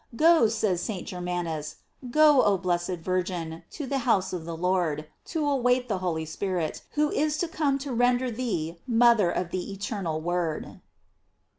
Go, says St. Germanus, go, oh blessed Virgin, to the house of the Lord, to await the Holy Spirit, who is to corne to ren der thee mother of the eternal Word.